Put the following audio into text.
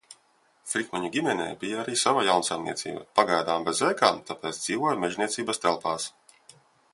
Frikmaņu ģimenei bija arī sava jaunsaimniecība, pagaidām bez ēkām, tāpēc dzīvoja mežniecības telpās.